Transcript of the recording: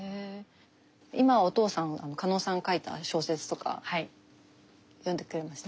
今お父さん加納さんが書いた小説とか読んでくれましたか？